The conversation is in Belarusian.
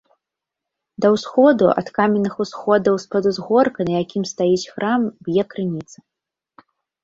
Да ўсходу ад каменных усходаў з-пад узгорка, на якім стаіць храм, б'е крыніца.